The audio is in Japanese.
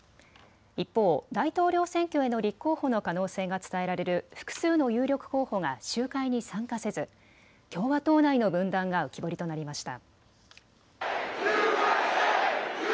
一方、大統領選挙への立候補の可能性が伝えられる複数の有力候補が集会に参加せず共和党内の分断が浮き彫りとなりました。